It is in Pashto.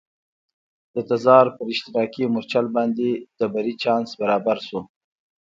د تزار پر اشتراکي مورچل باندې د بري چانس برابر شو.